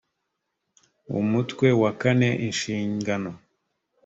umutwe wa kane inshingano